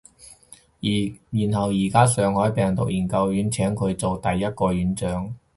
然後而家上海病毒研究院請佢做第一個院長